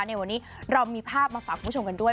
ในวันนี้เรามีภาพมาฝากคุณผู้ชมกันด้วย